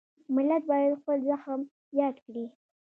ملت باید خپل زخم یاد کړي.